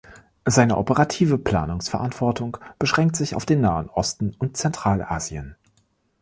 Seine operative Planungsverantwortung beschränkt sich auf den Nahen Osten und Zentralasien.